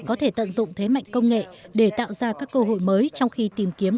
có thể tận dụng thế mạnh công nghệ để tạo ra các cơ hội mới trong khi tìm kiếm